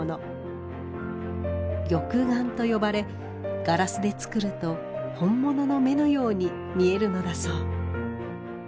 玉眼と呼ばれガラスで作ると本物の目のように見えるのだそう。